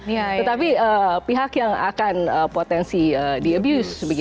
tetapi pihak yang akan potensi di abuse